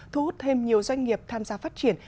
thu hút thêm nhiều doanh nghiệp tham gia phát triển